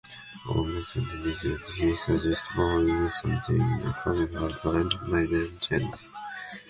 After Mathilde disagrees, he suggests borrowing something from her friend, Madame Jeanne Forestier.